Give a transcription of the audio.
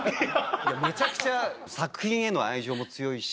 めちゃくちゃ作品への愛情も強いし